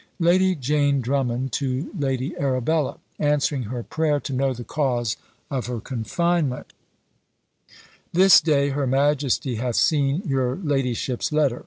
"LADY JANE DRUMMOND TO LADY ARABELLA. "Answering her prayer to know the cause of her confinement. "This day her majesty hath seen your ladyship's letter.